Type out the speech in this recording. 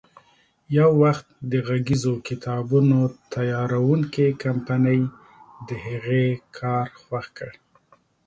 یو وخت د غږیزو کتابونو تیاروونکې کمپنۍ د هغې کار خوښ کړ.